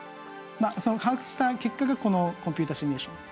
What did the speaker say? その把握した結果がこのコンピューターシミュレーション。